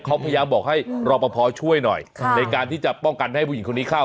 เขาพยายามบอกให้รอปภช่วยหน่อยในการที่จะป้องกันไม่ให้ผู้หญิงคนนี้เข้า